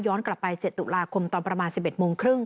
กลับไป๗ตุลาคมตอนประมาณ๑๑โมงครึ่ง